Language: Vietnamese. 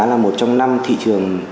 là một trong năm thị trường